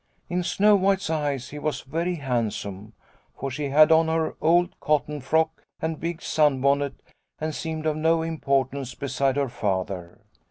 In Snow White's eyes he was very handsome, for she had on her old cotton frock and big sun bonnet, and seemed of no importance beside her Father."